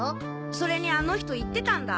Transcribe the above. それにあの人言ってたんだ。